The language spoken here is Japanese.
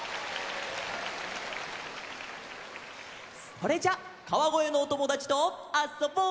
それじゃあ川越のおともだちとあっそぼう！